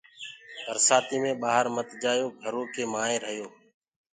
برسآتي مينٚ ڀآهر مت جآيو گھرو ڪي مآئينٚ رهيو۔